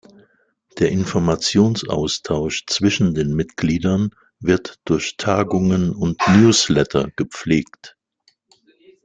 Der Informationsaustausch zwischen den Mitgliedern wird durch Tagungen und Newsletter gepflegt.